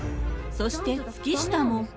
そして月下も。